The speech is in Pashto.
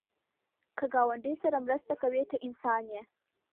که ګاونډي سره مرسته کوې، ته انسان یې